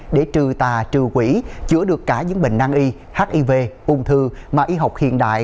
để trừ tà trừ quỷ chữa được cả những bệnh năng y hiv ung thư mà y học hiện đại